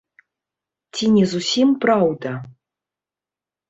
Ці не зусім праўда.